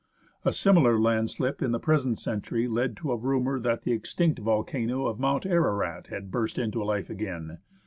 A similar landslip in the present century led to a rumour that the extinct volcano of Mount Ararat had burst into life again.